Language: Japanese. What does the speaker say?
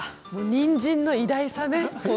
にんじんの偉大さね。